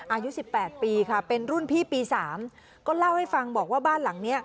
อายุสิบแปดปีค่ะเป็นรุ่นพี่ปี๓ก็เล่าให้ฟังบอกว่าบ้านหลังเนี้ย